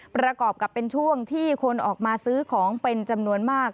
ประกอบกับเป็นช่วงที่คนออกมาซื้อของเป็นจำนวนมาก